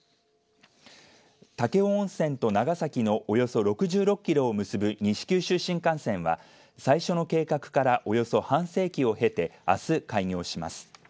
武雄温泉と長崎のおよそ６６キロを結ぶ西九州新幹線は最初の計画からおよそ半世紀を経てあす開業します。